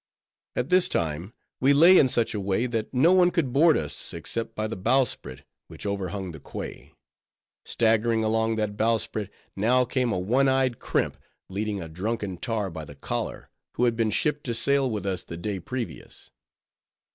At this time we lay in such a way, that no one could board us except by the bowsprit, which overhung the quay. Staggering along that bowsprit, now came a one eyed crimp leading a drunken tar by the collar, who had been shipped to sail with us the day previous.